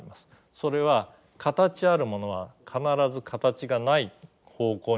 それは形あるものは必ず形がない方向にしか動かない。